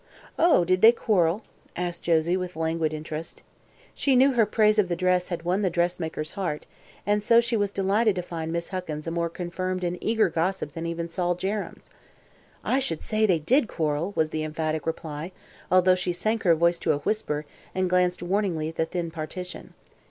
"Oh, did they quarrel?" asked Josie, with languid interest. She knew her praise of the dress had won the dressmaker's heart and also she was delighted to find Miss Huckins a more confirmed and eager gossip than even Sol Jerrems. "I should say they did quarrel!" was the emphatic reply, although she sank her voice to a whisper and glanced warningly at the thin partition.